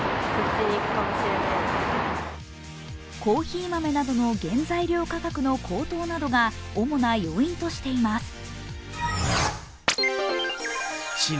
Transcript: コーヒー豆などの原材料価格の高騰などが主な要因としています。